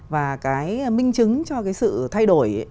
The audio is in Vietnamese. và cái minh chứng cho cái sự thay đổi